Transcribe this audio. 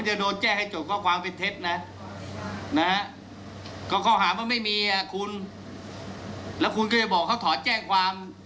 ก็ข้อความว่าไม่มีอ่ะคุณแล้วคุณก็จะบอกเขาถอดแจ้งความ